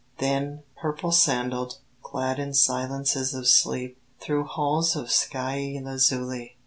Then, purple sandaled, clad in silences Of sleep, through halls of skyey lazuli.